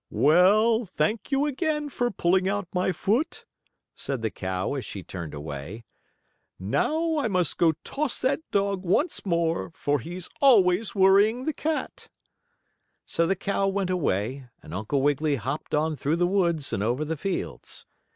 "Well, thank you again for pulling out my foot," said the cow, as she turned away. "Now I must go toss that dog once more, for he's always worrying the cat." So the cow went away, and Uncle Wiggily hopped on through the woods and over the fields.